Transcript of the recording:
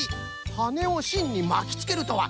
はねをしんにまきつけるとは。